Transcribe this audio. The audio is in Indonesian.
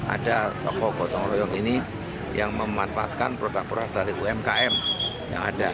ada toko gotong royong ini yang memanfaatkan produk produk dari umkm yang ada